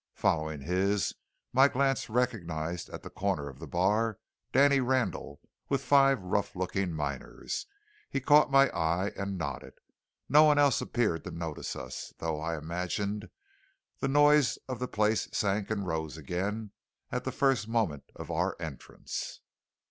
Following his, my glance recognized at a corner of the bar Danny Randall with five rough looking miners. He caught my eye and nodded. No one else appeared to notice us, though I imagined the noise of the place sank and rose again at the first moment of our entrance.